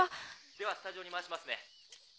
ではスタジオに回しますね。